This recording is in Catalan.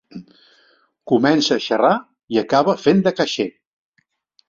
Comença a xerrar i acaba fent de caixer.